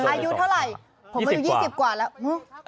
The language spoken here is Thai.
ผมไม่ได้อยู่๒๐กว่าแล้ว